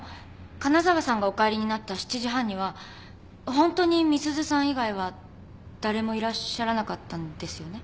金沢さんがお帰りになった７時半にはホントに美鈴さん以外は誰もいらっしゃらなかったんですよね？